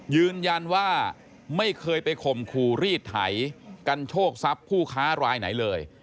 ยืนยันว่าไม่เคยไปข่มขู่รีดไถกันโชคทรัพย์ผู้ค้ารายไหนเลย